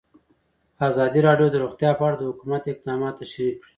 ازادي راډیو د روغتیا په اړه د حکومت اقدامات تشریح کړي.